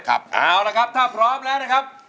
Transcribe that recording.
เอาละครับถ้าพร้อมแล้วนะครับ